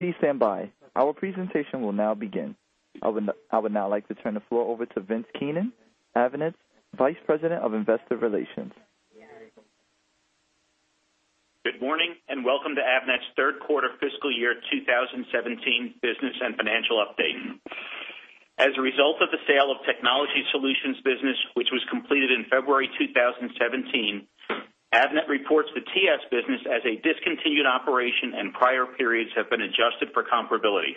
Please stand by. Our presentation will now begin. I would now like to turn the floor over to Vincent Keenan, Avnet's Vice President of Investor Relations. Good morning and welcome to Avnet's Q3 fiscal year 2017 business and financial update. As a result of the sale of Technology Solutions business, which was completed in February 2017, Avnet reports the TS business as a discontinued operation and prior periods have been adjusted for comparability.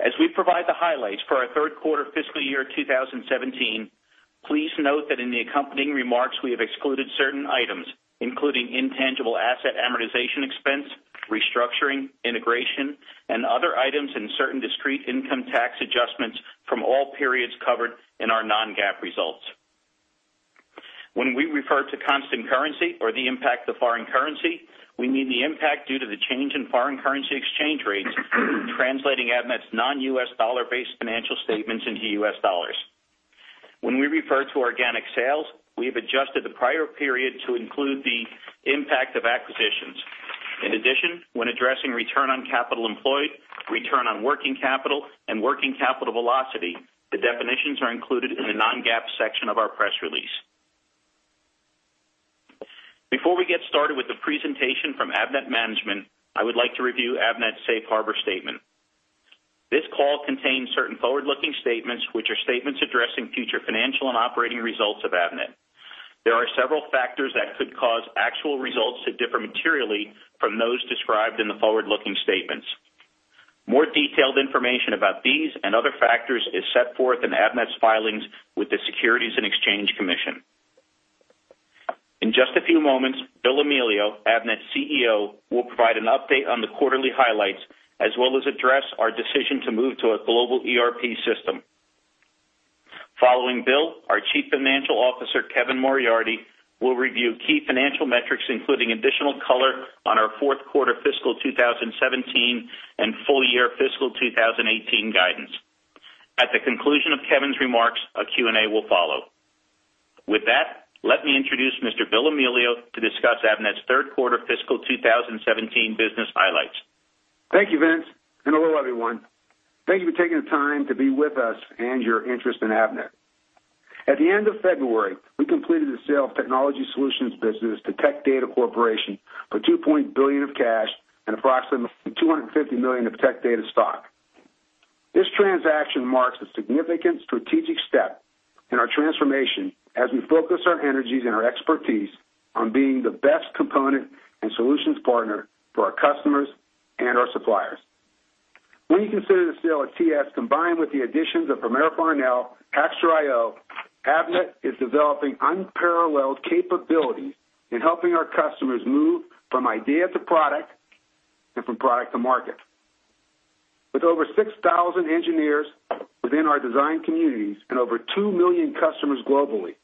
As we provide the highlights for our Q3 fiscal year 2017, please note that in the accompanying remarks we have excluded certain items, including intangible asset amortization expense, restructuring, integration, and other items in certain discrete income tax adjustments from all periods covered in our non-GAAP results. When we refer to constant currency or the impact of foreign currency, we mean the impact due to the change in foreign currency exchange rates, translating Avnet's non-U.S. dollar-based financial statements into U.S. dollars. When we refer to organic sales, we have adjusted the prior period to include the impact of acquisitions. In addition, when addressing return on capital employed, return on working capital, and working capital velocity, the definitions are included in the non-GAAP section of our press release. Before we get started with the presentation from Avnet Management, I would like to review Avnet's safe harbor statement. This call contains certain forward-looking statements, which are statements addressing future financial and operating results of Avnet. There are several factors that could cause actual results to differ materially from those described in the forward-looking statements. More detailed information about these and other factors is set forth in Avnet's filings with the Securities and Exchange Commission. In just a few moments, Bill Amelio, Avnet's CEO, will provide an update on the quarterly highlights as well as address our decision to move to a global ERP system. Following Bill, our Chief Financial Officer, Kevin Moriarty, will review key financial metrics, including additional color on our fourth quarter fiscal 2017 and full year fiscal 2018 guidance. At the conclusion of Kevin's remarks, a Q&A will follow. With that, let me introduce Mr. Bill Amelio to discuss Avnet's Q3 fiscal 2017 business highlights. Thank you, Vincent. Hello, everyone. Thank you for taking the time to be with us and your interest in Avnet. At the end of February, we completed the sale of Technology Solutions business to Tech Data Corporation for $2.1 billion of cash and approximately $250 million of Tech Data stock. This transaction marks a significant strategic step in our transformation as we focus our energies and our expertise on being the best component and solutions partner for our customers and our suppliers. When you consider the sale of TS combined with the additions of Premier Farnell and Hackster.io, Avnet is developing unparalleled capability in helping our customers move from idea to product and from product to market. With over 6,000 engineers within our design communities and over 2 million customers globally,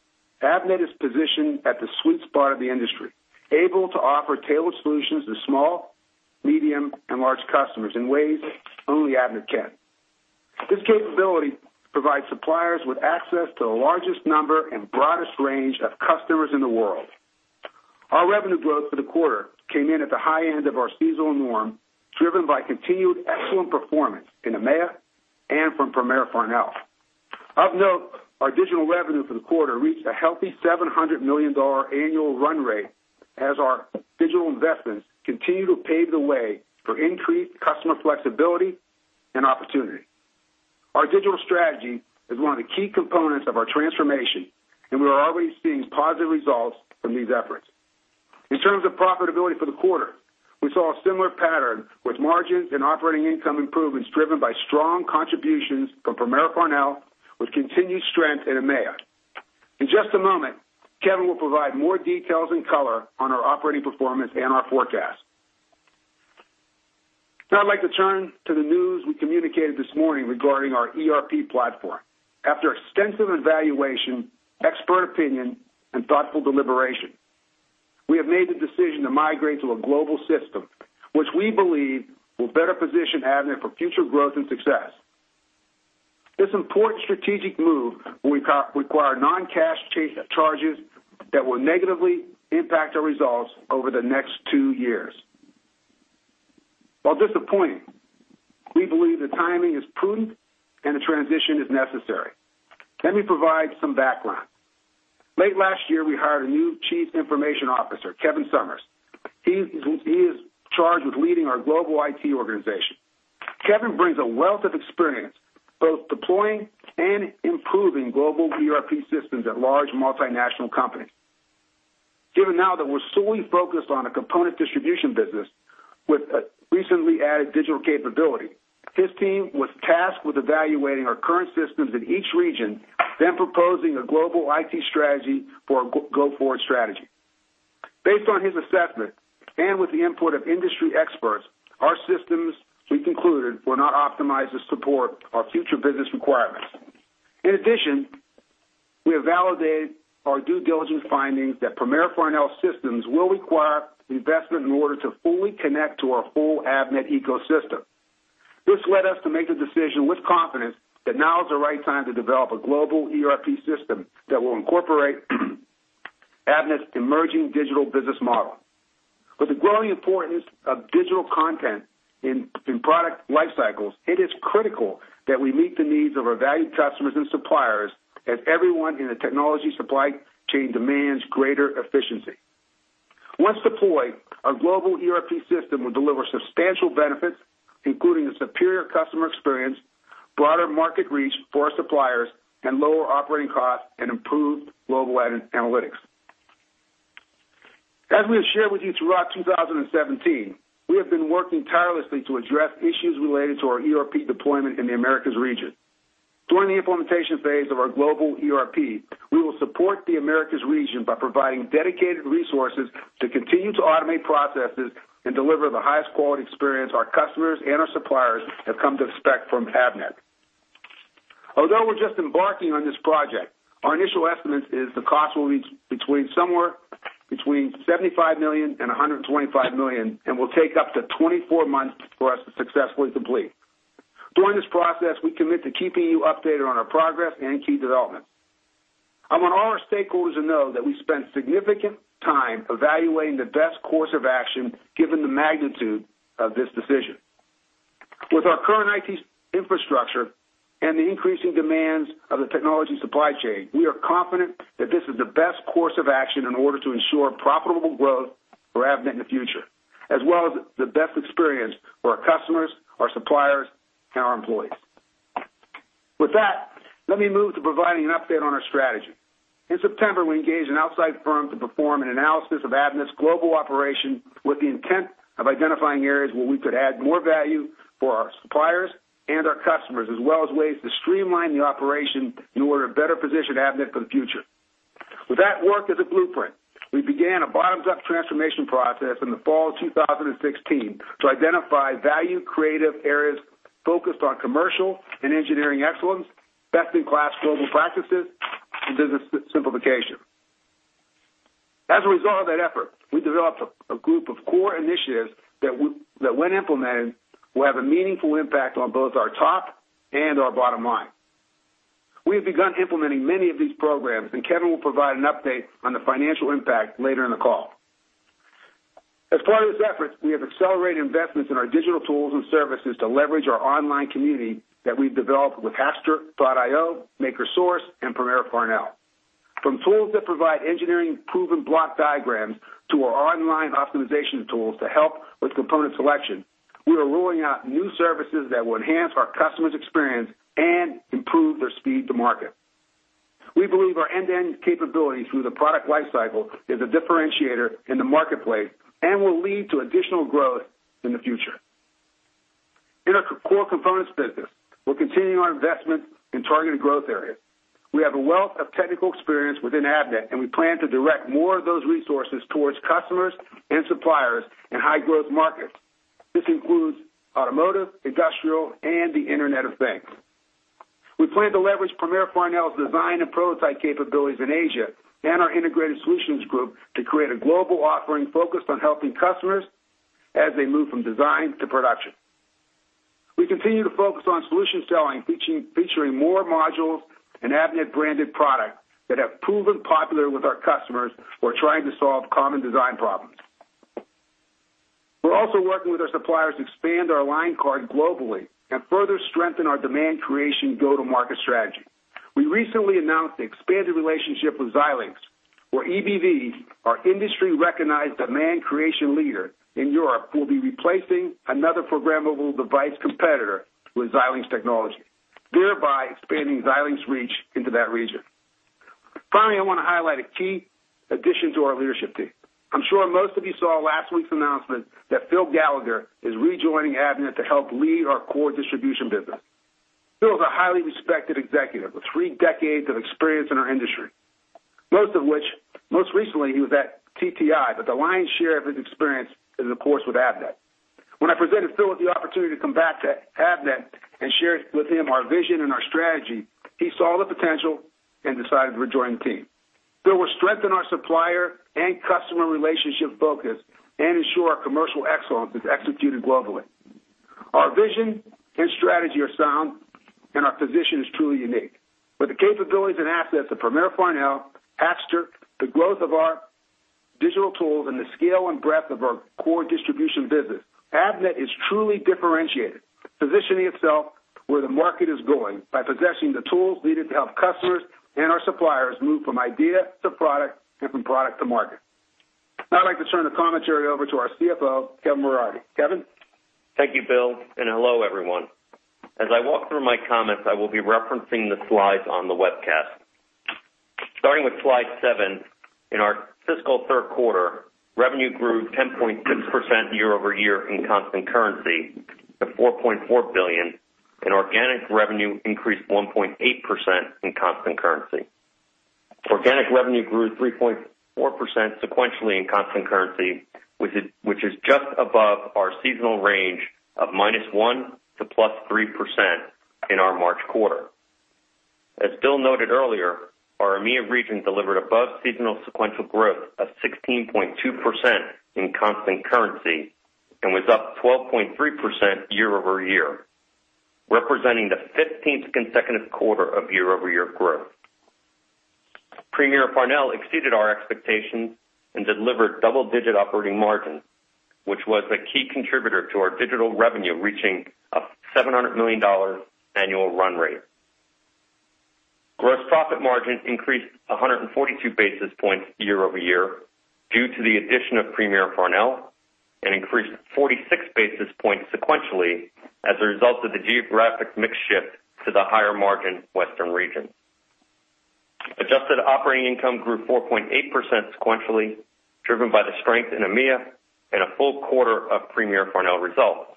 Avnet is positioned at the sweet spot of the industry, able to offer tailored solutions to small, medium, and large customers in ways only Avnet can. This capability provides suppliers with access to the largest number and broadest range of customers in the world. Our revenue growth for the quarter came in at the high end of our seasonal norm, driven by continued excellent performance in EMEA and from Premier Farnell. Of note, our digital revenue for the quarter reached a healthy $700 million annual run rate as our digital investment continued to pave the way for increased customer flexibility and opportunity. Our digital strategy is one of the key components of our transformation, and we are already seeing positive results from these efforts. In terms of profitability for the quarter, we saw a similar pattern with margins and operating income improvements driven by strong contributions from Premier Farnell, with continued strength in EMEA. In just a moment, Kevin will provide more details and color on our operating performance and our forecast. Now I'd like to turn to the news we communicated this morning regarding our ERP platform. After extensive evaluation, expert opinion, and thoughtful deliberation, we have made the decision to migrate to a global system, which we believe will better position Avnet for future growth and success. This important strategic move will require non-cash charges that will negatively impact our results over the next two years. While disappointing, we believe the timing is prudent and the transition is necessary. Let me provide some background. Late last year, we hired a new Chief Information Officer, Kevin Summers. He is charged with leading our global IT organization. Kevin brings a wealth of experience both deploying and improving global ERP systems at large multinational companies. Given now that we're solely focused on a component distribution business with a recently added digital capability, his team was tasked with evaluating our current systems in each region, then proposing a global IT strategy for a go-forward strategy. Based on his assessment and with the input of industry experts, our systems, we concluded, were not optimized to support our future business requirements. In addition, we have validated our due diligence findings that Premier Farnell legacy systems will require investment in order to fully connect to our whole Avnet ecosystem. This led us to make the decision with confidence that now is the right time to develop a global ERP system that will incorporate Avnet's emerging digital business model. With the growing importance of digital content in product life cycles, it is critical that we meet the needs of our valued customers and suppliers as everyone in the technology supply chain demands greater efficiency. Once deployed, a global ERP system will deliver substantial benefits, including a superior customer experience, broader market reach for our suppliers, and lower operating costs and improved global analytics. As we have shared with you throughout 2017, we have been working tirelessly to address issues related to our ERP deployment in the Americas region. During the implementation phase of our global ERP, we will support the Americas region by providing dedicated resources to continue to automate processes and deliver the highest quality experience our customers and our suppliers have come to expect from Avnet. Although we're just embarking on this project, our initial estimate is the cost will be between somewhere between $75 million-$125 million, and will take up to 24 months for us to successfully complete. During this process, we commit to keeping you updated on our progress and key developments. I want all our stakeholders to know that we spent significant time evaluating the best course of action given the magnitude of this decision. With our current IT infrastructure and the increasing demands of the technology supply chain, we are confident that this is the best course of action in order to ensure profitable growth for Avnet in the future, as well as the best experience for our customers, our suppliers, and our employees. With that, let me move to providing an update on our strategy. In September, we engaged an outside firm to perform an analysis of Avnet's global operation with the intent of identifying areas where we could add more value for our suppliers and our customers, as well as ways to streamline the operation in order to better position Avnet for the future. With that work as a blueprint, we began a bottoms-up transformation process in the fall of 2016 to identify value-creative areas focused on commercial and engineering excellence, best-in-class global practices, and business simplification. As a result of that effort, we developed a group of core initiatives that, when implemented, will have a meaningful impact on both our top and our bottom line. We have begun implementing many of these programs, and Kevin will provide an update on the financial impact later in the call. As part of this effort, we have accelerated investments in our digital tools and services to leverage our online community that we've developed with Hackster.io, MakerSource, and Premier Farnell. From tools that provide engineering-proven block diagrams to our online optimization tools to help with component selection, we are rolling out new services that will enhance our customers' experience and improve their speed to market. We believe our end-to-end capability through the product life cycle is a differentiator in the marketplace and will lead to additional growth in the future. In our core components business, we'll continue our investment in targeted growth areas. We have a wealth of technical experience within Avnet, and we plan to direct more of those resources towards customers and suppliers in high-growth markets. This includes automotive, industrial, and the Internet of Things. We plan to leverage Premier Farnell's design and prototype capabilities in Asia and our Integrated Solutions Group to create a global offering focused on helping customers as they move from design to production. We continue to focus on solution selling, featuring more modules and Avnet-branded products that have proven popular with our customers for trying to solve common design problems. We're also working with our suppliers to expand our line cards globally and further strengthen our demand creation go-to-market strategy. We recently announced the expanded relationship with Xilinx, where EBV, our industry-recognized demand creation leader in Europe, will be replacing another programmable device competitor with Xilinx technology, thereby expanding Xilinx's reach into that region. Finally, I want to highlight a key addition to our leadership team. I'm sure most of you saw last week's announcement that Phil Gallagher is rejoining Avnet to help lead our core distribution business. Phil is a highly respected executive with three decades of experience in our industry, most of which most recently he was at TTI, but the lion's share of his experience is, of course, with Avnet. When I presented Phil with the opportunity to come back to Avnet and share with him our vision and our strategy, he saw the potential and decided to rejoin the team. Phil will strengthen our supplier and customer relationship focus and ensure our commercial excellence is executed globally. Our vision and strategy are sound, and our position is truly unique. With the capabilities and assets of Premier Farnell, Hackster.io, the growth of our digital tools, and the scale and breadth of our core distribution business, Avnet is truly differentiated, positioning itself where the market is going by possessing the tools needed to help customers and our suppliers move from idea to product and from product to market. Now I'd like to turn the commentary over to our CFO, Kevin Moriarty. Kevin. Thank you, Bill, and hello, everyone. As I walk through my comments, I will be referencing the slides on the webcast. Starting with slide seven, in our fiscal Q3, revenue grew 10.6% quarter-over-quarter in constant currency at $4.4 billion, and organic revenue increased 1.8% in constant currency. Organic revenue grew 3.4% sequentially in constant currency, which is just above our seasonal range of -1% to +3% in our March quarter. As Bill noted earlier, our EMEA region delivered above seasonal sequential growth of 16.2% in constant currency and was up 12.3% quarter-over-quarter, representing the 15th consecutive quarter of quarter-over-quarter growth. Premier Farnell exceeded our expectations and delivered double-digit operating margins, which was a key contributor to our digital revenue reaching a $700 million annual run rate. Gross profit margin increased 142 basis points quarter-over-quarter due to the addition of Premier Farnell and increased 46 basis points sequentially as a result of the geographic mix shift to the higher-margin Western Region. Adjusted operating income grew 4.8% sequentially, driven by the strength in EMEA and a full quarter of Premier Farnell results.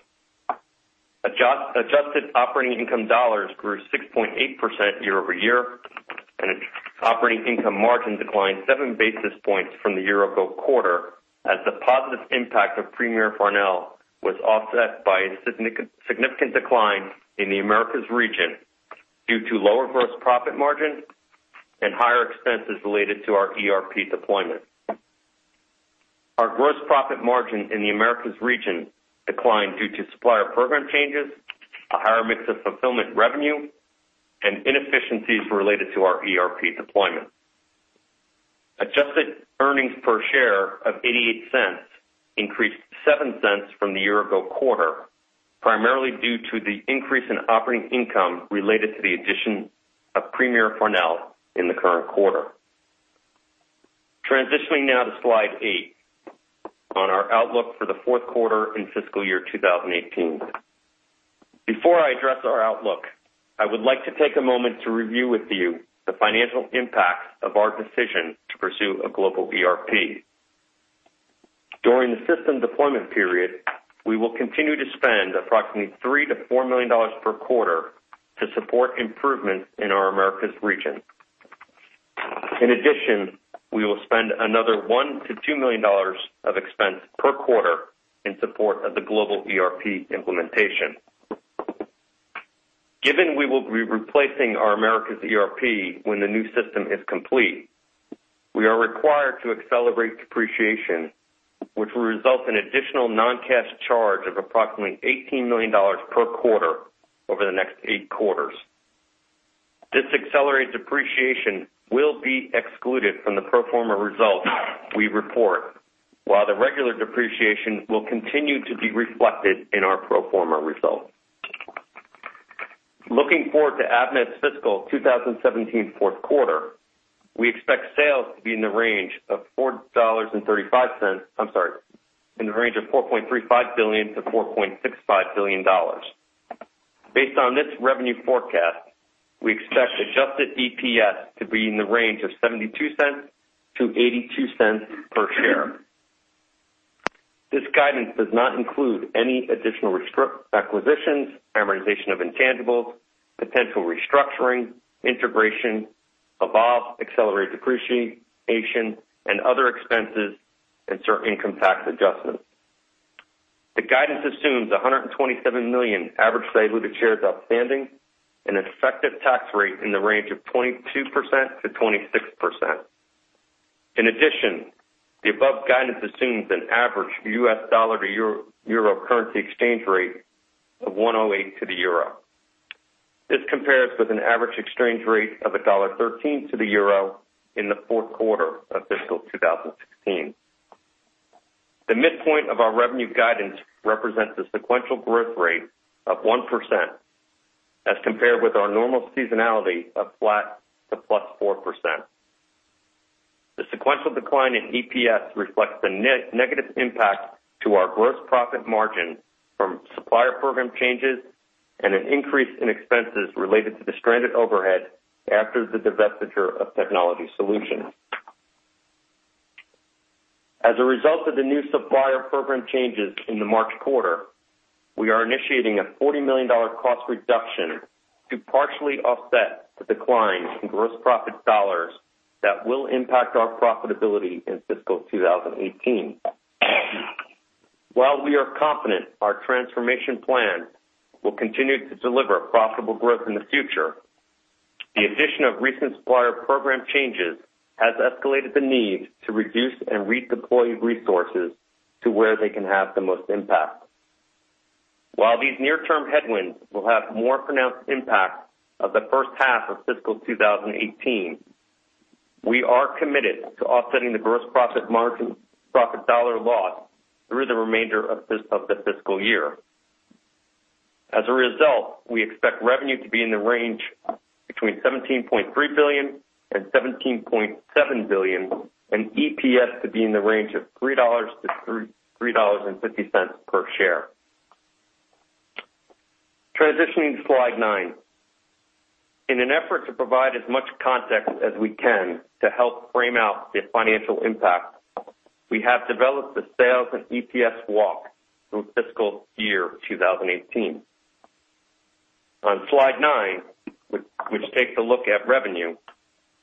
Adjusted operating income dollars grew 6.8% quarter-over-quarter, and operating income margin declined 7 basis points from the year-ago quarter as the positive impact of Premier Farnell was offset by a significant decline in the Americas region due to lower gross profit margin and higher expenses related to our ERP deployment. Our gross profit margin in the Americas region declined due to supplier program changes, a higher mix of fulfillment revenue, and inefficiencies related to our ERP deployment. Adjusted earnings per share of 88 cents increased 7 cents from the year-ago quarter, primarily due to the increase in operating income related to the addition of Premier Farnell in the current quarter. Transitioning now to slide eight on our outlook for the fourth quarter in fiscal year 2018. Before I address our outlook, I would like to take a moment to review with you the financial impact of our decision to pursue a Global ERP. During the system deployment period, we will continue to spend approximately $3-$4 million per quarter to support improvements in our Americas region. In addition, we will spend another $1-$2 million of expense per quarter in support of the Global ERP implementation. Given we will be replacing our Americas ERP when the new system is complete, we are required to accelerate depreciation, which will result in additional non-cash charge of approximately $18 million per quarter over the next 8 quarters. This accelerated depreciation will be excluded from the pro forma results we report, while the regular depreciation will continue to be reflected in our pro forma results. Looking forward to Avnet's fiscal 2017 fourth quarter, we expect sales to be in the range of $4.35 billion-$4.65 billion. Based on this revenue forecast, we expect adjusted EPS to be in the range of $0.72-$0.82 per share. This guidance does not include any additional acquisitions, amortization of intangibles, potential restructuring, integration, above accelerated depreciation, and other expenses and certain income tax adjustments. The guidance assumes $127 million average value to shares outstanding, an effective tax rate in the range of 22%-26%. In addition, the above guidance assumes an average US dollar to euro currency exchange rate of 1.08 to the euro. This compares with an average exchange rate of $1.13 to the euro in the fourth quarter of fiscal 2016. The midpoint of our revenue guidance represents a sequential growth rate of 1% as compared with our normal seasonality of flat to +4%. The sequential decline in EPS reflects the negative impact to our gross profit margin from supplier program changes and an increase in expenses related to stranded overhead after the divestiture of Technology Solutions. As a result of the new supplier program changes in the March quarter, we are initiating a $40 million cost reduction to partially offset the decline in gross profit dollars that will impact our profitability in fiscal 2018. While we are confident our transformation plan will continue to deliver profitable growth in the future, the addition of recent supplier program changes has escalated the need to reduce and redeploy resources to where they can have the most impact. While these near-term headwinds will have more pronounced impact on the H1 of fiscal 2018, we are committed to offsetting the gross profit margin profit dollar loss through the remainder of the fiscal year. As a result, we expect revenue to be in the range between $17.3 billion and $17.7 billion, and EPS to be in the range of $3-$3.50 per share. Transitioning to slide nine. In an effort to provide as much context as we can to help frame out the financial impact, we have developed the sales and EPS walk through fiscal year 2018. On slide nine, which takes a look at revenue,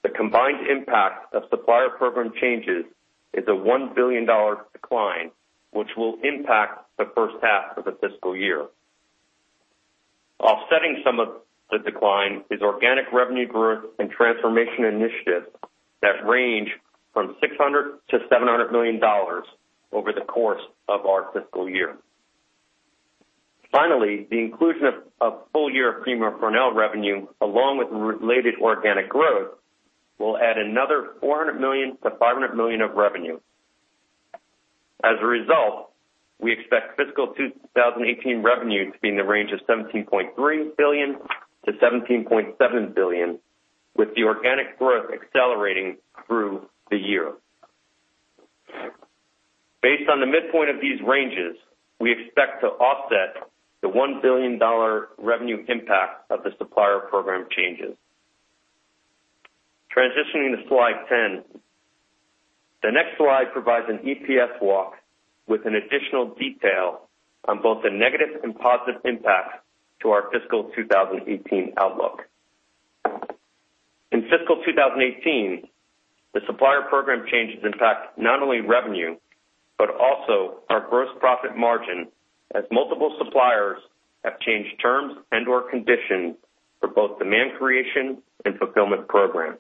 the combined impact of supplier program changes is a $1 billion decline, which will impact the H1 of the fiscal year. Offsetting some of the decline is organic revenue growth and transformation initiatives that range from $600 million-$700 million over the course of our fiscal year. Finally, the inclusion of full year of Premier Farnell revenue, along with related organic growth, will add another $400 million-$500 million of revenue. As a result, we expect fiscal 2018 revenue to be in the range of $17.3 billion-$17.7 billion, with the organic growth accelerating through the year. Based on the midpoint of these ranges, we expect to offset the $1 billion revenue impact of the supplier program changes. Transitioning to slide 10. The next slide provides an EPS walk with an additional detail on both the negative and positive impact to our fiscal 2018 outlook. In fiscal 2018, the supplier program changes impact not only revenue, but also our gross profit margin as multiple suppliers have changed terms and/or conditions for both demand creation and fulfillment programs.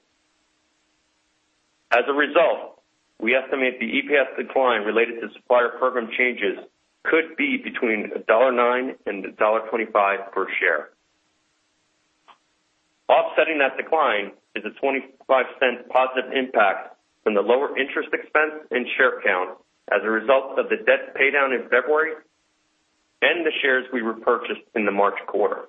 As a result, we estimate the EPS decline related to supplier program changes could be between $1.09 and $1.25 per share. Offsetting that decline is a $0.25 positive impact from the lower interest expense and share count as a result of the debt paydown in February and the shares we repurchased in the March quarter.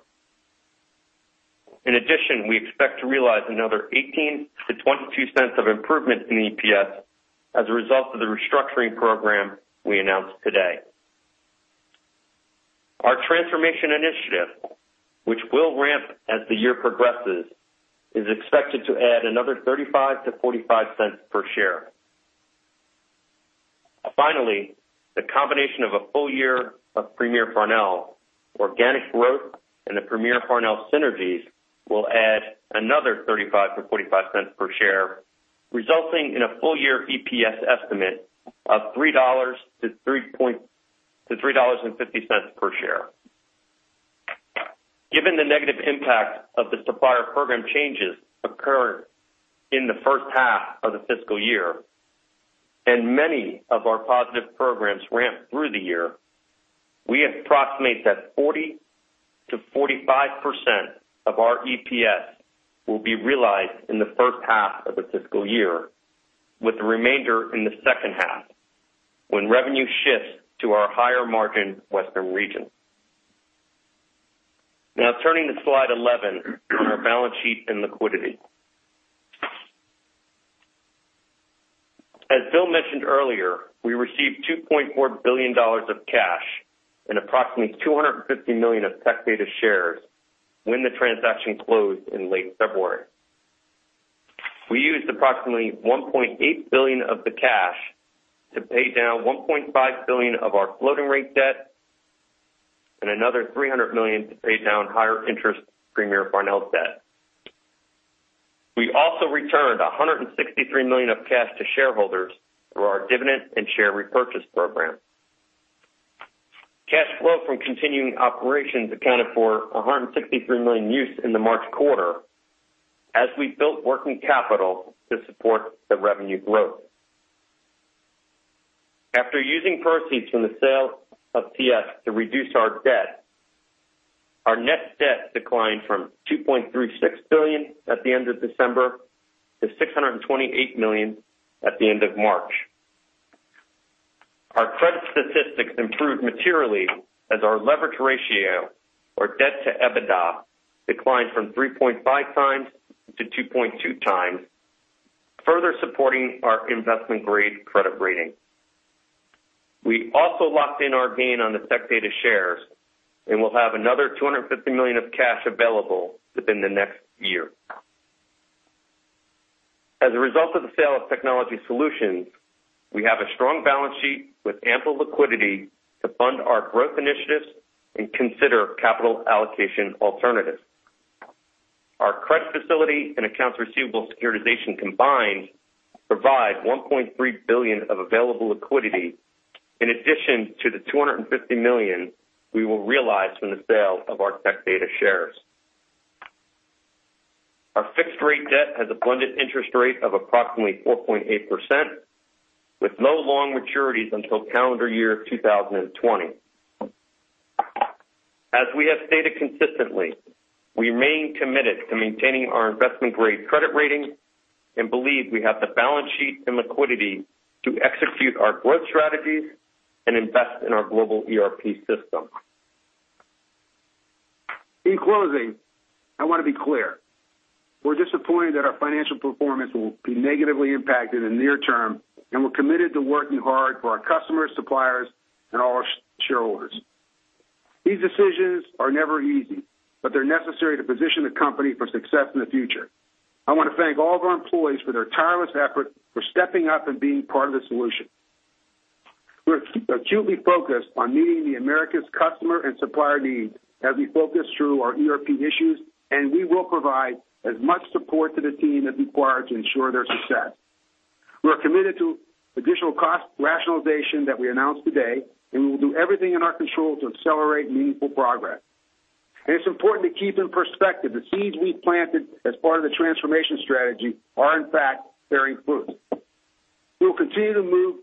In addition, we expect to realize another $0.18-$0.22 of improvement in EPS as a result of the restructuring program we announced today. Our transformation initiative, which will ramp as the year progresses, is expected to add another $0.35-$0.45 per share. Finally, the combination of a full year of Premier Farnell, organic growth, and the Premier Farnell synergies will add another $0.35-$0.45 per share, resulting in a full year EPS estimate of $3-$3.50 per share. Given the negative impact of the supplier program changes occurring in the H1 of the fiscal year, and many of our positive programs ramp through the year, we approximate that 40%-45% of our EPS will be realized in the H1 of the fiscal year, with the remainder in the H2 when revenue shifts to our higher-margin Western Region. Now turning to slide 11 on our balance sheet and liquidity. As Bill mentioned earlier, we received $2.4 billion of cash and approximately $250 million of tax assets when the transaction closed in late February. We used approximately $1.8 billion of the cash to pay down $1.5 billion of our floating rate debt and another $300 million to pay down higher-interest Premier Farnell debt. We also returned $163 million of cash to shareholders through our dividend and share repurchase program. Cash flow from continuing operations accounted for $163 million use in the March quarter as we built working capital to support the revenue growth. After using proceeds from the sale of TS to reduce our debt, our net debt declined from $2.36 billion at the end of December to $628 million at the end of March. Our credit statistics improved materially as our leverage ratio, or debt to EBITDA, declined from 3.5 times to 2.2 times, further supporting our investment-grade credit rating. We also locked in our gain on the Tech Data shares and will have another $250 million of cash available within the next year. As a result of the sale of Technology Solutions, we have a strong balance sheet with ample liquidity to fund our growth initiatives and consider capital allocation alternatives. Our credit facility and accounts receivable securitization combined provide $1.3 billion of available liquidity in addition to the $250 million we will realize from the sale of our Tech Data shares. Our fixed-rate debt has a blended interest rate of approximately 4.8%, with no long maturities until calendar year 2020. As we have stated consistently, we remain committed to maintaining our investment-grade credit rating and believe we have the balance sheet and liquidity to execute our growth strategies and invest in our Global ERP system. In closing, I want to be clear. We're disappointed that our financial performance will be negatively impacted in the near term and we're committed to working hard for our customers, suppliers, and all our shareholders. These decisions are never easy, but they're necessary to position the company for success in the future. I want to thank all of our employees for their tireless effort for stepping up and being part of the solution. We're acutely focused on meeting the Americas customer and supplier needs as we focus through our ERP issues, and we will provide as much support to the team as required to ensure their success. We're committed to additional cost rationalization that we announced today, and we will do everything in our control to accelerate meaningful progress. It's important to keep in perspective the seeds we've planted as part of the transformation strategy are, in fact, bearing fruit. We will continue to move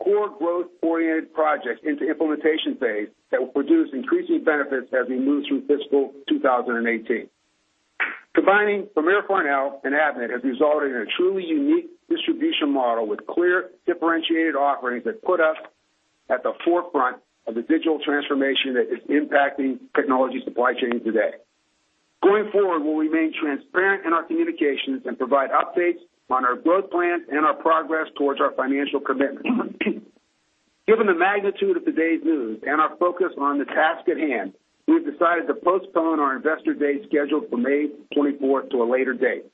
core growth-oriented projects into implementation phase that will produce increasing benefits as we move through fiscal 2018. Combining Premier Farnell and Avnet has resulted in a truly unique distribution model with clear, differentiated offerings that put us at the forefront of the digital transformation that is impacting technology supply chains today. Going forward, we'll remain transparent in our communications and provide updates on our growth plan and our progress towards our financial commitments. Given the magnitude of today's news and our focus on the task at hand, we've decided to postpone our investor day scheduled for May 24 to a later date.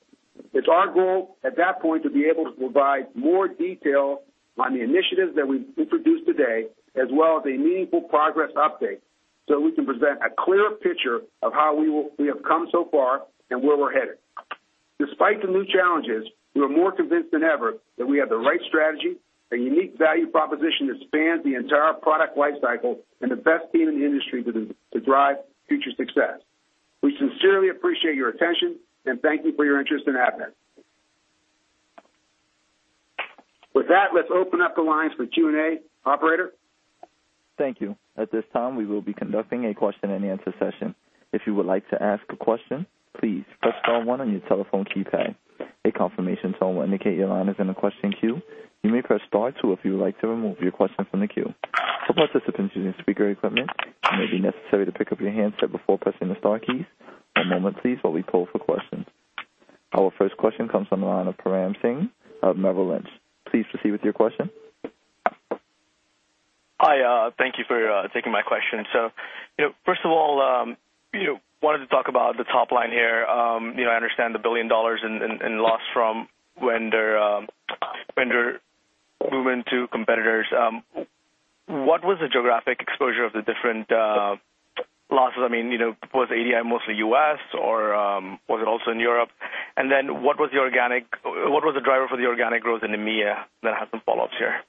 It's our goal at that point to be able to provide more detail on the initiatives that we've introduced today, as well as a meaningful progress update so we can present a clearer picture of how we have come so far and where we're headed. Despite the new challenges, we are more convinced than ever that we have the right strategy, a unique value proposition that spans the entire product lifecycle, and the best team in the industry to drive future success. We sincerely appreciate your attention and thank you for your interest in Avnet. With that, let's open up the lines for the Q&A operator. Thank you. At this time, we will be conducting a question and answer session. If you would like to ask a question, please press star one on your telephone keypad. A confirmation tone will indicate your line is in a question queue. You may press star two if you would like to remove your question from the queue. Some participants using speaker equipment may be necessary to pick up your handset before pressing the star keys. One moment, please, while we poll for questions. Our first question comes from Param Singh of Merrill Lynch. Please proceed with your question. Hi, thank you for taking my question. So, you know, first of all, you know, wanted to talk about the top line here. You know, I understand the $1 billion in loss from vendor movement to competitors. What was the geographic exposure of the different losses? I mean, you know, was the ADI mostly US, or was it also in Europe? And then what was the organic—what was the driver for the organic growth in EMEA that had some follow-ups here?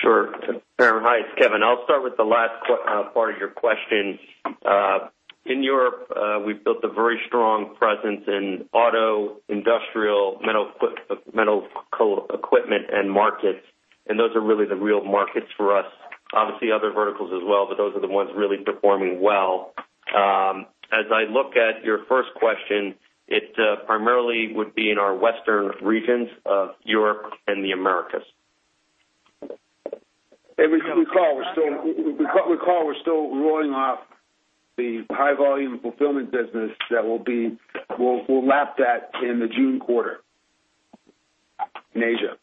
Sure. Very nice, Kevin. I'll start with the last part of your question. In Europe, we've built a very strong presence in auto, industrial, medical equipment, and markets, and those are really the real markets for us. Obviously, other verticals as well, but those are the ones really performing well. As I look at your first question, it primarily would be in our Western regions of Europe and the Americas. Hey, we're still rolling off the high-volume fulfillment business that we'll wrap in the June quarter in Asia.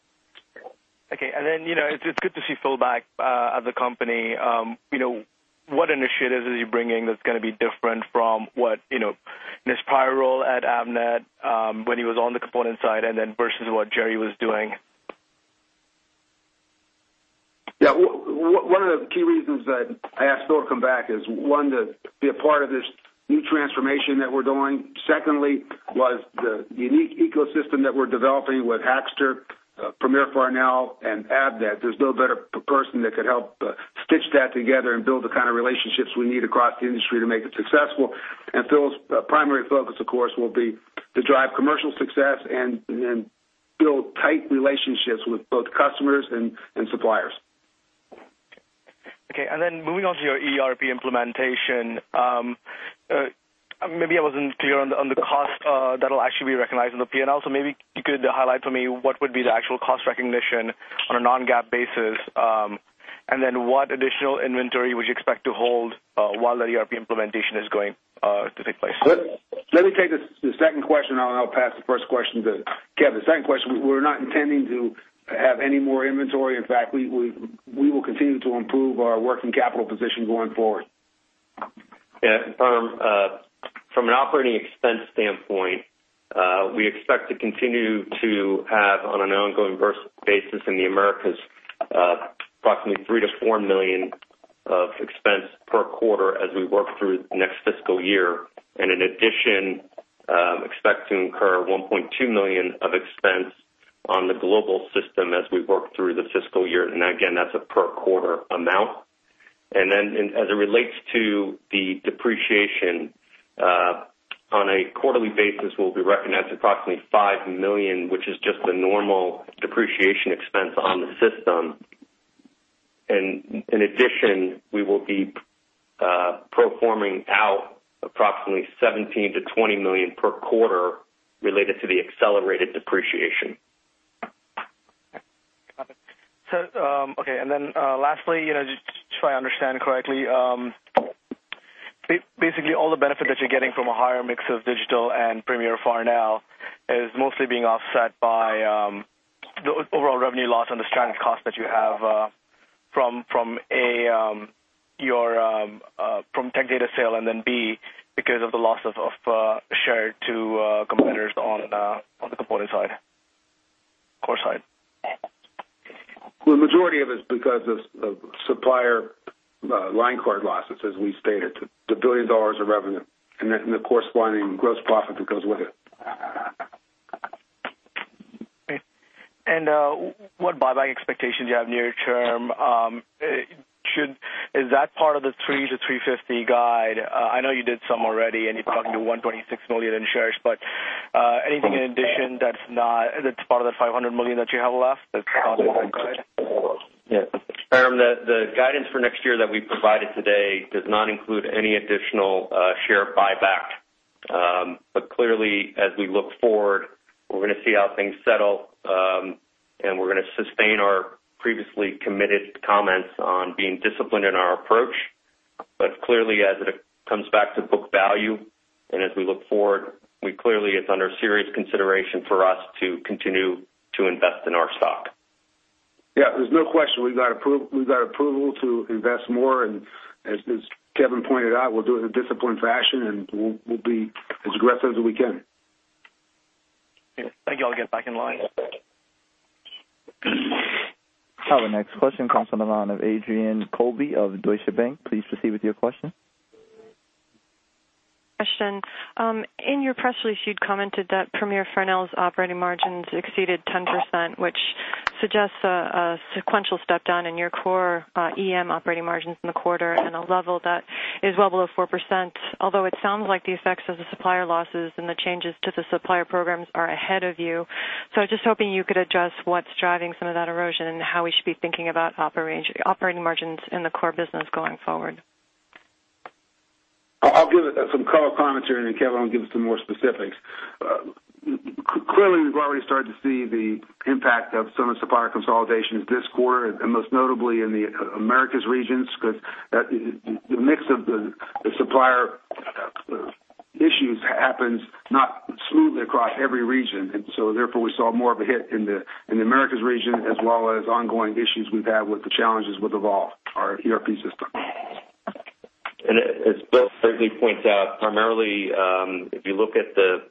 Okay. And then, you know, it's good to see feedback of the company. You know, what initiatives are you bringing that's going to be different from what, you know, in his prior role at Avnet when he was on the component side and then versus what Gerry was doing? Yeah, one of the key reasons that I asked Phil to come back is, one, to be a part of this new transformation that we're doing. Secondly, was the unique ecosystem that we're developing with Hackster, Premier Farnell, and Avnet. There's no better person that could help stitch that together and build the kind of relationships we need across the industry to make it successful. Phil's primary focus, of course, will be to drive commercial success and build tight relationships with both customers and suppliers. Okay. Then moving on to your ERP implementation, maybe I wasn't clear on the cost that'll actually be recognized in the P&L. So maybe you could highlight for me what would be the actual cost recognition on a non-GAAP basis, and then what additional inventory would you expect to hold while that ERP implementation is going to take place? Let me take the second question, and I'll pass the first question to Kev. The second question, we're not intending to have any more inventory. In fact, we will continue to improve our working capital position going forward. Yeah. Param an operating expense standpoint, we expect to continue to have, on an ongoing basis in the Americas, approximately $3-$4 million of expense per quarter as we work through the next fiscal year. In addition, expect to incur $1.2 million of expense on the global system as we work through the fiscal year. And again, that's a per quarter amount. And then as it relates to the depreciation, on a quarterly basis, we'll be recognizing approximately $5 million, which is just the normal depreciation expense on the system. In addition, we will be pro forma-ing out approximately $17-$20 million per quarter related to the accelerated depreciation. So, okay. And then lastly, you know, just so I understand correctly, basically all the benefit that you're getting from a higher mix of digital and Premier Farnell is mostly being offset by the overall revenue loss and the stranded cost that you have from Tech Data sale and then B, because of the loss of share to competitors on the component side, core side. Well, the majority of it is because of supplier line card losses, as we stated, the $1 billion of revenue and the corresponding gross profit that goes with it. Okay. And what buyback expectations do you have near term? Is that part of the $3-$350 guide? I know you did some already, and you're talking to $126 million in shares, but anything in addition that's not—that's part of the $500 million that you have left that's causing that guide? Yeah. The guidance for next year that we provided today does not include any additional share buyback. But clearly, as we look forward, we're going to see how things settle, and we're going to sustain our previously committed comments on being disciplined in our approach. But clearly, as it comes back to book value and as we look forward, we clearly, it's under serious consideration for us to continue to invest in our stock. Yeah, there's no question. We've got approval to invest more, and as Kevin pointed out, we'll do it in a disciplined fashion, and we'll be as aggressive as we can. Thank you. I'll get back in line. Now, the next question comes from the line of Adrienne Colby of Deutsche Bank. Please proceed with your question. Question. In your press release, you'd commented that Premier Farnell's operating margins exceeded 10%, which suggests a sequential step down in your core EM operating margins in the quarter and a level that is well below 4%, although it sounds like the effects of the supplier losses and the changes to the supplier programs are ahead of you. I was just hoping you could address what's driving some of that erosion and how we should be thinking about operating margins in the core business going forward. I'll give some color commentary, and then Kevin will give some more specifics. Clearly, we've already started to see the impact of some of the supplier consolidations this quarter, and most notably in the Americas regions, because the mix of the supplier issues happens not smoothly across every region. So therefore, we saw more of a hit in the Americas region, as well as ongoing issues we've had with the challenges with the ERP system. As Bill safely points out, primarily, if you look at the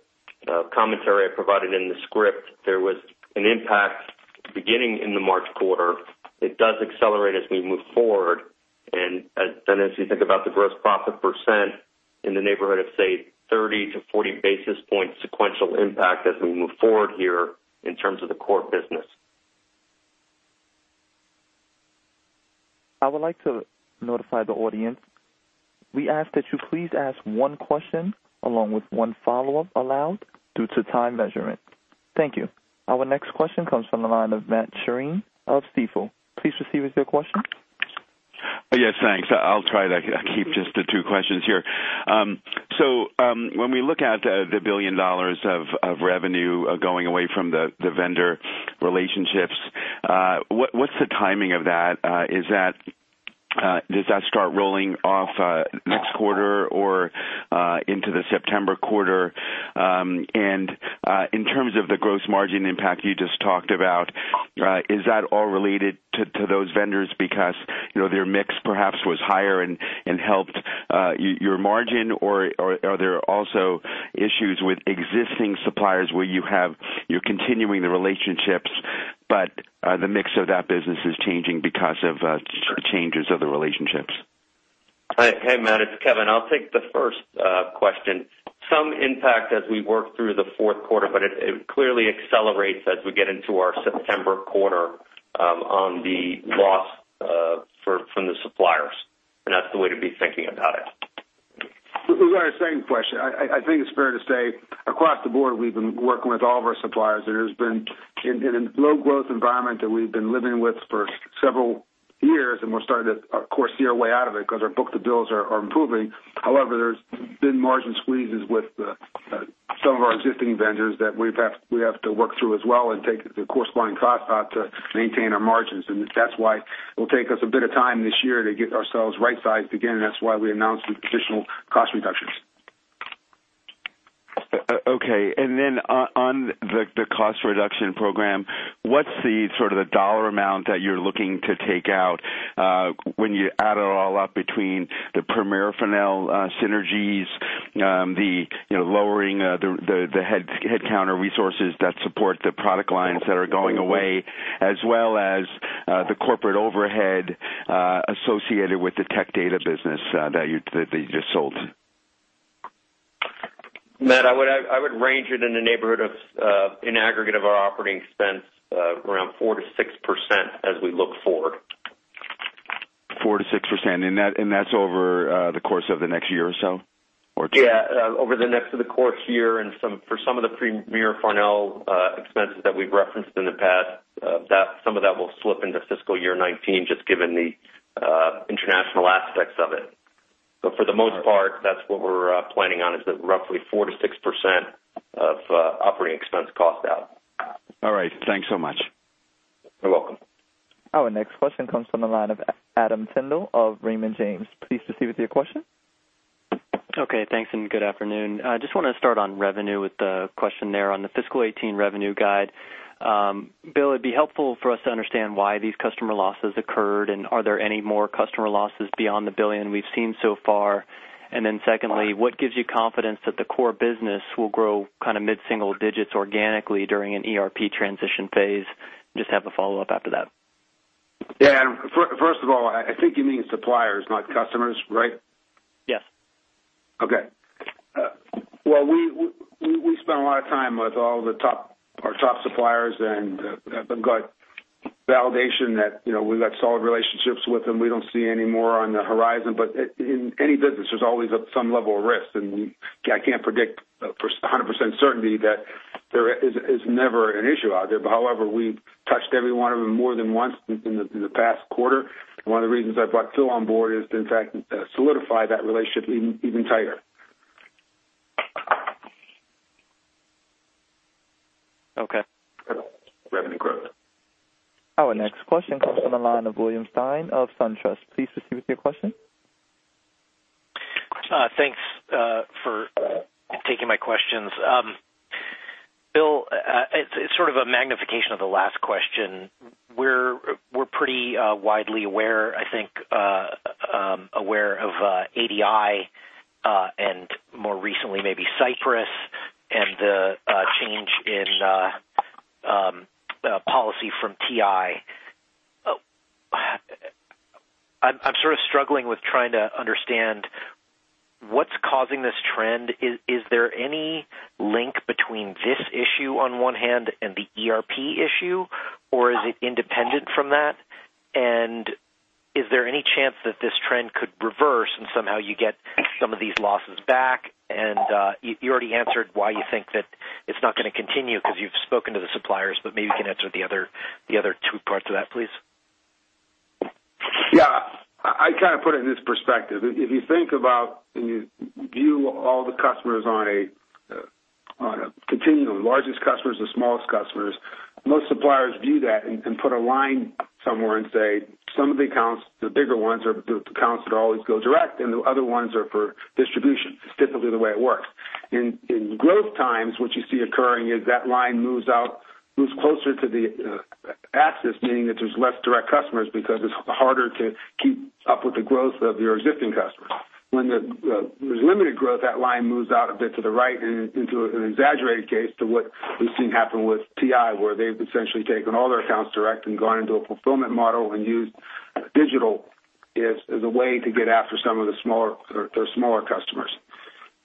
commentary I provided in the script, there was an impact beginning in the March quarter. It does accelerate as we move forward. Then as you think about the gross profit percent in the neighborhood of, say, 30-40 basis points sequential impact as we move forward here in terms of the core business. I would like to notify the audience. We ask that you please ask one question along with one follow-up allowed due to time measurement. Thank you. Our next question comes from the line of Matt Sheerin of Stifel. Please proceed with your question. Yes, thanks. I'll try to keep just the two questions here. So when we look at the $1 billion of revenue going away from the vendor relationships, what's the timing of that? Does that start rolling off next quarter or into the September quarter? And in terms of the gross margin impact you just talked about, is that all related to those vendors because their mix perhaps was higher and helped your margin, or are there also issues with existing suppliers where you have, you're continuing the relationships, but the mix of that business is changing because of changes of the relationships? Hey, Matt, this is Kevin. I'll take the first question. Some impact as we work through the fourth quarter, but it clearly accelerates as we get into our September quarter on the loss from the suppliers. And that's the way to be thinking about it. The same question. I think it's fair to say across the board, we've been working with all of our suppliers. There's been a low-growth environment that we've been living with for several years, and we're starting to, of course, see our way out of it because our book-to-bills are improving. However, there's been margin squeezes with some of our existing vendors that we have to work through as well and take the corresponding costs out to maintain our margins. And that's why it will take us a bit of time this year to get ourselves right-sized again. That's why we announced the additional cost reductions. Okay. And then on the cost reduction program, what's the sort of the dollar amount that you're looking to take out when you add it all up between the Premier Farnell synergies, the lowering the headcount or resources that support the product lines that are going away, as well as the corporate overhead associated with the Tech Data business that you just sold? Matt, I would range it in the neighborhood of, in aggregate, of our operating expense around 4%-6% as we look forward. 4%-6%. And that's over the course of the next year or so? Yeah, over the next of the course year and for some of the Premier Farnell expenses that we've referenced in the past, some of that will slip into fiscal year 2019, just given the international aspects of it. But for the most part, that's what we're planning on, is roughly 4%-6% of operating expense cost out. All right. Thanks so much. You're welcome. Our next question comes from the line of Adam Tindle of Raymond James. Please proceed with your question. Okay. Thanks and good afternoon. I just want to start on revenue with the question there on the fiscal 2018 revenue guide. Bill, it'd be helpful for us to understand why these customer losses occurred, and are there any more customer losses beyond the $1 billion we've seen so far? And then secondly, what gives you confidence that the core business will grow kind of mid-single digits organically during an ERP transition phase? Just have a follow-up after that. Yeah. First of all, I think you mean suppliers, not customers, right? Yes. Okay. Well, we spent a lot of time with all of our top suppliers and got validation that we've got solid relationships with them. We don't see any more on the horizon. But in any business, there's always some level of risk. And I can't predict 100% certainty that there is never an issue out there. But however, we touched every one of them more than once in the past quarter. One of the reasons I brought Phil on board is to, in fact, solidify that relationship even tighter. Okay. Revenue growth. Our next question comes from the line of William Stein of SunTrust. Please proceed with your question. Thanks for taking my questions. Bill, it's sort of a magnification of the last question. We're pretty widely aware, I think, aware of ADI and more recently maybe Cypress and the change in policy from TI. I'm sort of struggling with trying to understand what's causing this trend. Is there any link between this issue on one hand and the ERP issue, or is it independent from that? And is there any chance that this trend could reverse and somehow you get some of these losses back? And you already answered why you think that it's not going to continue because you've spoken to the suppliers, but maybe you can answer the other two parts of that, please. Yeah. I kind of put it in this perspective. If you think about and view all the customers on a continuum, largest customers, the smallest customers, most suppliers view that and can put a line somewhere and say, some of the accounts, the bigger ones, are the accounts that always go direct, and the other ones are for distribution. It's typically the way it works. In growth times, what you see occurring is that line moves out, moves closer to the axis, meaning that there's less direct customers because it's harder to keep up with the growth of your existing customers. When there's limited growth, that line moves out a bit to the right into an exaggerated case to what we've seen happen with TI, where they've essentially taken all their accounts direct and gone into a fulfillment model and used digital as a way to get after some of the smaller customers.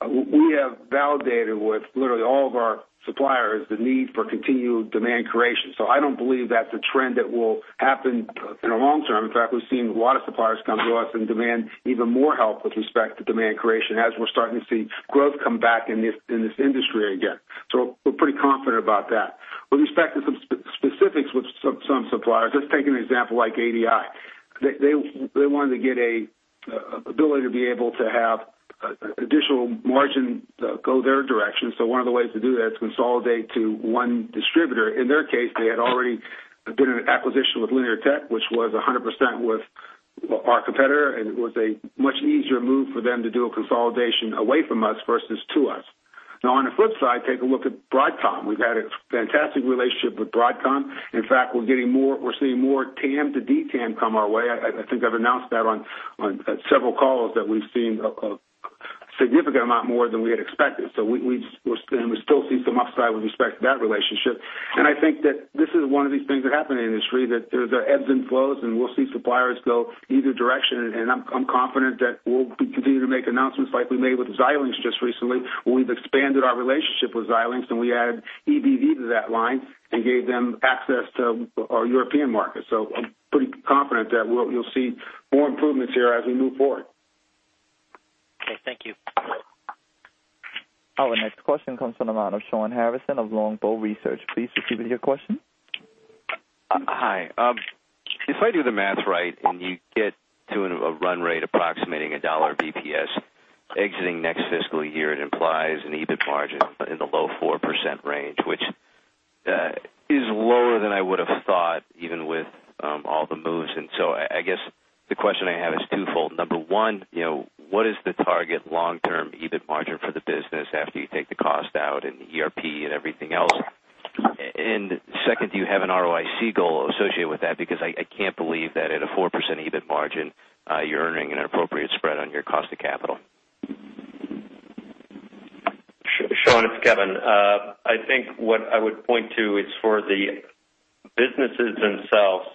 We have validated with literally all of our suppliers the need for continued demand creation. So I don't believe that's a trend that will happen in the long term. In fact, we've seen a lot of suppliers come growth and demand even more help with respect to demand creation as we're starting to see growth come back in this industry again. So we're pretty confident about that. With respect to some specifics with some suppliers, let's take an example like ADI. They wanted to get an ability to be able to have additional margin go their direction. So one of the ways to do that is consolidate to one distributor. In their case, they had already been an acquisition with Linear Tech, which was 100% with our competitor, and it was a much easier move for them to do a consolidation away from us versus to us. Now, on the flip side, take a look at Broadcom. We've had a fantastic relationship with Broadcom. In fact, we're getting more—we're seeing more TAM to DTAM come our way. I think I've announced that on several calls that we've seen a significant amount more than we had expected. So we still see some upside with respect to that relationship. I think that this is one of these things that happen in the industry, that there's ebbs and flows, and we'll see suppliers go either direction. And I'm confident that we'll continue to make announcements like we made with Xilinx just recently. We've expanded our relationship with Xilinx, and we added EBV to that line and gave them access to our European market. So I'm pretty confident that you'll see more improvements here as we move forward. Okay. Thank you. Our next question comes from the line of Shawn Harrison of Longbow Research. Please proceed with your question. Hi. If I do the math right and you get to a run rate approximating $1 of EPS exiting next fiscal year, it implies an EBIT margin in the low 4% range, which is lower than I would have thought even with all the moves. So I guess the question I have is twofold. Number 1, what is the target long-term EBIT margin for the business after you take the cost out and the ERP and everything else? And second, do you have an ROIC goal associated with that? Because I can't believe that at a 4% EBIT margin, you're earning an appropriate spread on your cost of capital. Shawn, it's Kevin. I think what I would point to is for the businesses themselves,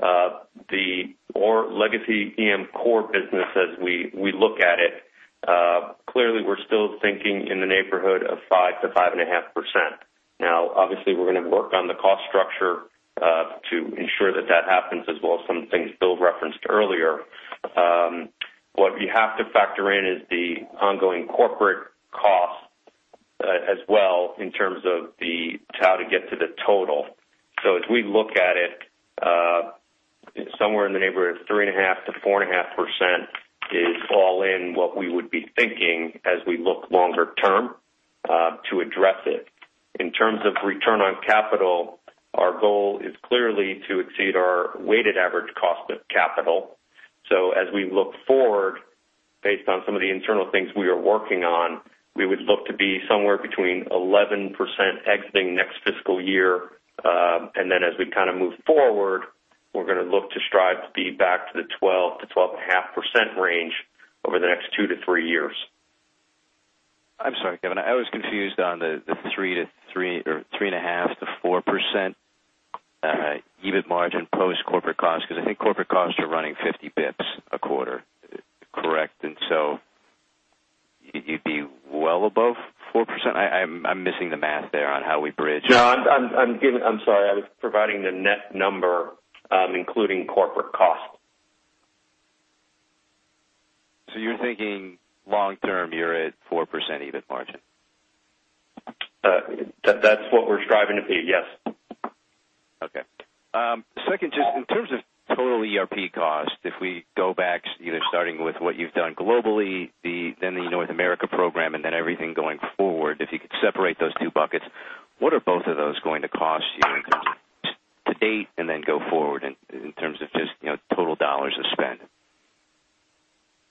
the legacy EMEA core business, as we look at it, clearly we're still thinking in the neighborhood of 5%-5.5%. Now, obviously, we're going to work on the cost structure to ensure that that happens, as well as some things Bill referenced earlier. What you have to factor in is the ongoing corporate cost as well in terms of how to get to the total. So as we look at it, somewhere in the neighborhood of 3.5%-4.5% is all in what we would be thinking as we look longer term to address it. In terms of return on capital, our goal is clearly to exceed our weighted average cost of capital. So as we look forward, based on some of the internal things we are working on, we would look to be somewhere between 11% exiting next fiscal year. And then as we kind of move forward, we're going to look to strive to be back to the 12%-12.5% range over the next two to three years. I'm sorry, Kevin. I was confused on the 3% to 3.5% to 4% EBIT margin post-corporate cost, because I think corporate costs are running 50 basis points a quarter, correct? And so you'd be well above 4%? I'm missing the math there on how we bridge. No, I'm sorry. I was providing the net number, including corporate cost. So you're thinking long-term you're at 4% EBIT margin? That's what we're striving to be, yes. Okay. Second, just in terms of total ERP cost, if we go back, either starting with what you've done globally, then the North America program, and then everything going forward, if you could separate those two buckets, what are both of those going to cost you to date and then go forward in terms of just total dollars of spend?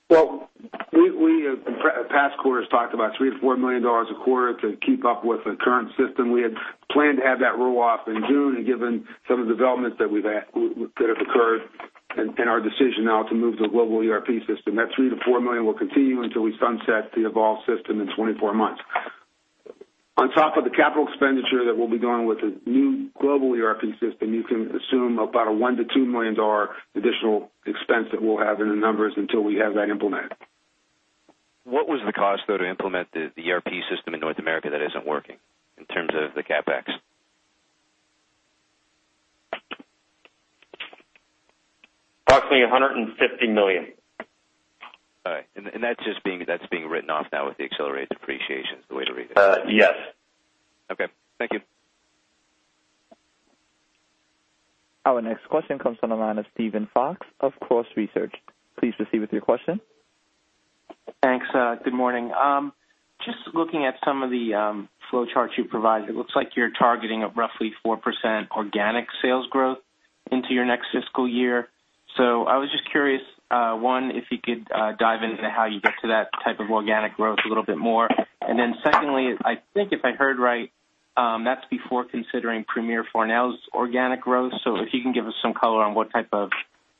Well, we have in the past quarters talked about $3-$4 million a quarter to keep up with the current system. We had planned to add that roll-off in June and given some of the developments that have occurred and our decision now to move to a global ERP system. That $3-$4 million will continue until we sunset the evolved system in 24 months. On top of the capital expenditure that we'll be going with the new Global ERP system, you can assume about a $1-$2 million additional expense that we'll have in the numbers until we have that implemented. What was the cost, though, to implement the ERP system in North America that isn't working in terms of the CapEx? Approximately $150 million. All right. And that's just being written off now with the accelerated depreciation, the way to read it. Yes. Okay. Thank you. Our next question comes from the line of Stephen Fox of Cross Research. Please proceed with your question. Thanks. Good morning. Just looking at some of the flow charts you provided, it looks like you're targeting roughly 4% organic sales growth into your next fiscal year. So I was just curious, one, if you could dive into how you get to that type of organic growth a little bit more. And then secondly, I think if I heard right, that's before considering Premier Farnell's organic growth. So if you can give us some color on what type of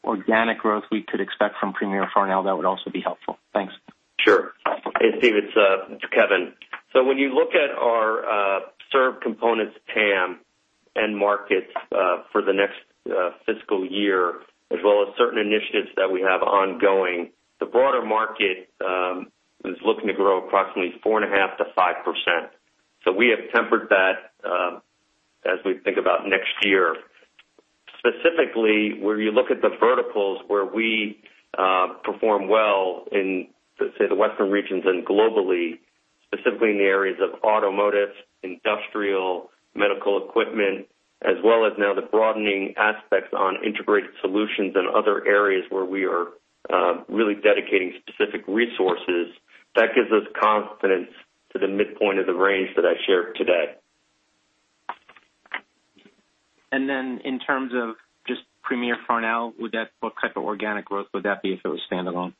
organic growth we could expect from Premier Farnell, that would also be helpful. Thanks. Sure. Hey, Steve, it's Kevin. So when you look at our semi components TAM and markets for the next fiscal year, as well as certain initiatives that we have ongoing, the broader market is looking to grow approximately 4.5%-5%. So we have tempered that as we think about next year. Specifically, where you look at the verticals where we perform well in, let's say, the Western regions and globally, specifically in the areas of automotive, industrial, medical equipment, as well as now the broadening aspects on integrated solutions and other areas where we are really dedicating specific resources, that gives us confidence to the midpoint of the range that I shared today. And then in terms of just Premier Farnell, what type of organic growth would that be if it was standalone?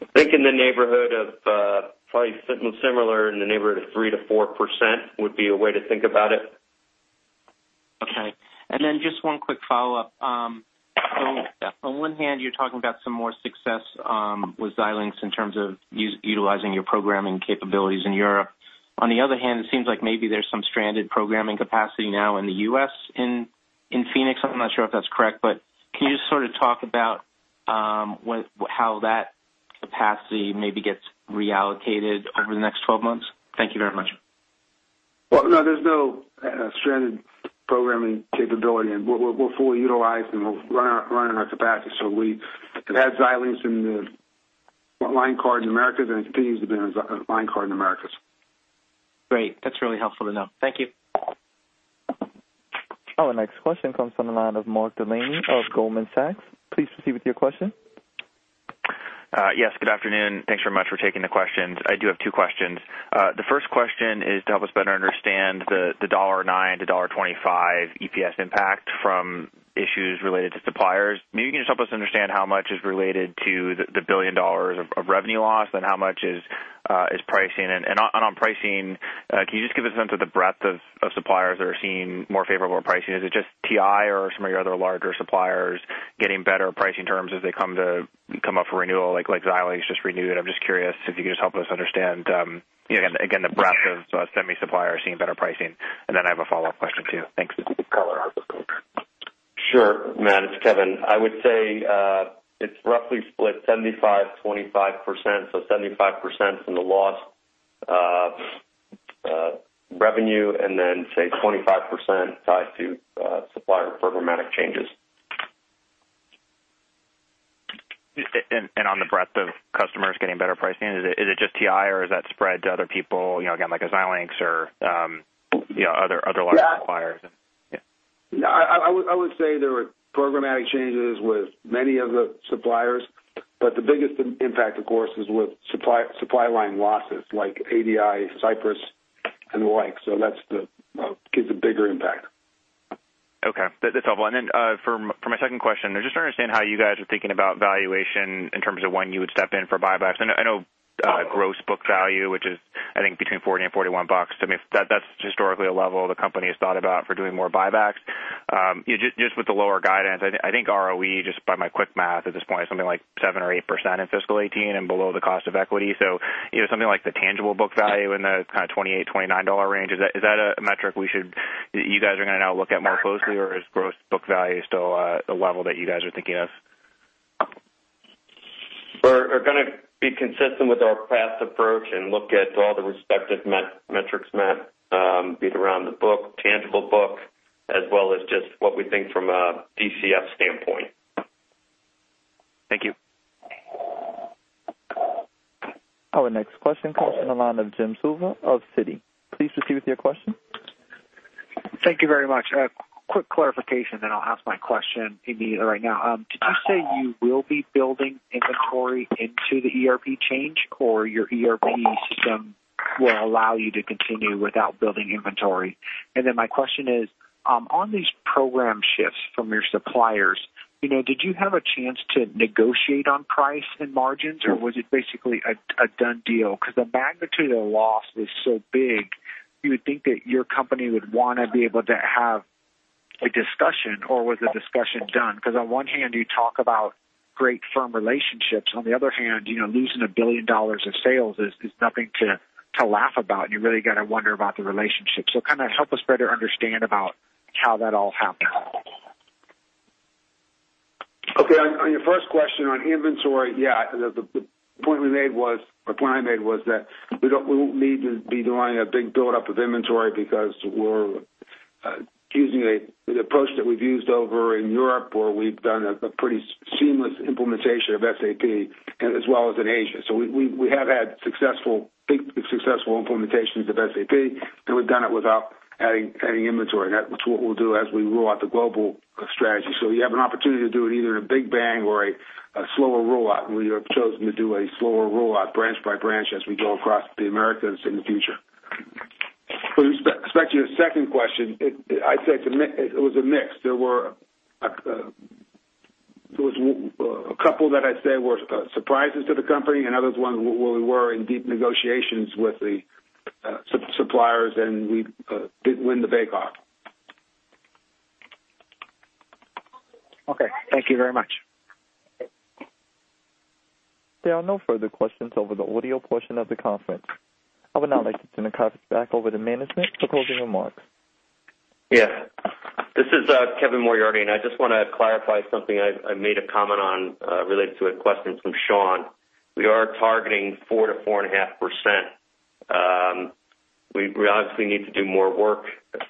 I think in the neighborhood of probably similar in the neighborhood of 3%-4% would be a way to think about it. Okay. And then just one quick follow-up. So on one hand, you're talking about some more success with Xilinx in terms of utilizing your programming capabilities in Europe. On the other hand, it seems like maybe there's some stranded programming capacity now in the U.S. in Phoenix. I'm not sure if that's correct, but can you just sort of talk about how that capacity maybe gets reallocated over the next 12 months? Thank you very much. Well, no, there's no stranded programming capability. We'll fully utilize and we'll run on our capacity. We've had Xilinx in the line card in Americas, and it continues to be on the line card in Americas. Great. That's really helpful to know. Thank you. Our next question comes from the line of Mark Delaney of Goldman Sachs. Please proceed with your question. Yes. Good afternoon. Thanks very much for taking the questions. I do have two questions. The first question is to help us better understand the $1.09-$1.25 EPS impact from issues related to suppliers. Maybe you can just help us understand how much is related to the $1 billion of revenue loss and how much is pricing. On pricing, can you just give us a sense of the breadth of suppliers that are seeing more favorable pricing? Is it just TI or some of your other larger suppliers getting better pricing terms as they come up for renewal? Like Xilinx just renewed. I'm just curious if you could just help us understand, again, the breadth of semi-suppliers seeing better pricing. Then I have a follow-up question too. Thanks. Caller on. Sure. Mark, it's Kevin. I would say it's roughly split 75%-25%. So 75% from the lost revenue and then say 25% tied to supplier programmatic changes. On the breadth of customers getting better pricing, is it just TI or is that spread to other people, again, like Xilinx or other large suppliers? Yeah. I would say there were programmatic changes with many of the suppliers, but the biggest impact, of course, is with supply line losses like ADI, Cypress, and the like. So that gives a bigger impact. Okay. That's helpful. And then for my second question, just to understand how you guys are thinking about valuation in terms of when you would step in for buybacks. I know gross book value, which is, I think, between $40 and $41. I mean, that's historically a level the company has thought about for doing more buybacks. Just with the lower guidance, I think ROE, just by my quick math at this point, is something like 7% or 8% in fiscal 2018 and below the cost of equity. So something like the tangible book value in the kind of $28-$29 range, is that a metric you guys are going to now look at more closely, or is gross book value still the level that you guys are thinking of? We're going to be consistent with our path approach and look at all the respective metrics met around the book, tangible book, as well as just what we think from a DCF standpoint. Thank you. Our next question comes from the line of Jim Suva of Citigroup. Please proceed with your question. Thank you very much. Quick clarification, then I'll ask my question immediately right now. Did you say you will be building inventory into the ERP change, or your ERP system will allow you to continue without building inventory? And then my question is, on these program shifts from your suppliers, did you have a chance to negotiate on price and margins, or was it basically a done deal? Because the magnitude of the loss is so big, you would think that your company would want to be able to have a discussion, or was the discussion done? Because on one hand, you talk about great firm relationships. On the other hand, losing $1 billion of sales is nothing to laugh about, and you really got to wonder about the relationship. So kind of help us better understand about how that all happened. Okay. On your first question on inventory, yeah, the point we made was, or the point I made was, that we don't need to be doing a big build-up of inventory because we're using the approach that we've used over in Europe, where we've done a pretty seamless implementation of SAP, as well as in Asia. So we have had big successful implementations of SAP, and we've done it without adding inventory. That's what we'll do as we roll out the global strategy. So you have an opportunity to do it either in a big bang or a slower roll-out. We have chosen to do a slower roll-out branch by branch as we go across the Americas in the future. With respect to your second question, I'd say it was a mix. There were a couple that I'd say were surprises to the company, and other ones where we were in deep negotiations with the suppliers, and we didn't win the bake-off. Okay. Thank you very much. There are no further questions over the audio portion of the conference. I would now like to turn the conference back over to Moriarty for closing remarks. Yes. This is Kevin Moriarty, and I just want to clarify something I made a comment on related to a question from Shawn. We are targeting 4%-4.5%. We obviously need to do more work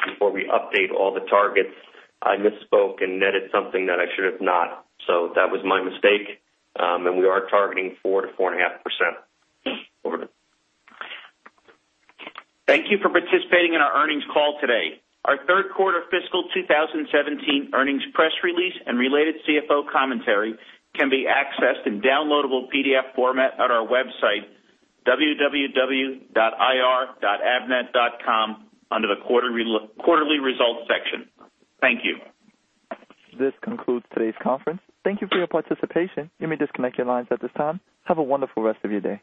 before we update all the targets. I misspoke and netted something that I should have not. So that was my mistake. And we are targeting 4%-4.5%. Thank you for participating in our earnings call today. Our Q3 fiscal 2017 earnings press release and related CFO commentary can be accessed in downloadable PDF format at our website, www.ir.avnet.com, under the quarterly results section. Thank you. This concludes today's conference. Thank you for your participation. You may disconnect your lines at this time. Have a wonderful rest of your day.